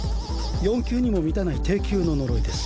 ４級にも満たない低級の呪いです。